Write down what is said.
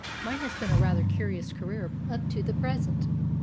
Mine has been a rather curious career up to the present.